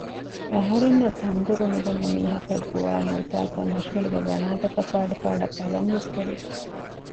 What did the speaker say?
އަހަރެންނަށް ތަންދޮރު ނުދަންނަ މީހަކަށް ގޮވާ ނުވިތާކަށް ހަށިގަނޑުގެ ވަނާތަކަށް ފާޑު ފާޑަށް ބަލަންވެސް ކެރިއްޖެ